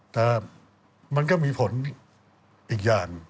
แต่มันก็มีผลอีกอย่าง